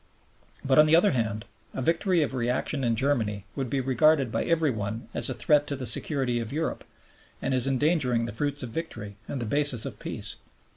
But, on the other hand, a victory of reaction in Germany would be regarded by every one as a threat to the security of Europe, and as endangering the fruits of victory and the basis of the Peace.